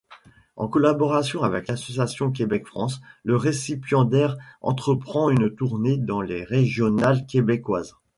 En collaboration avec l’Association Québec-France, le récipiendaire entreprend une tournée dans les régionales québécoises.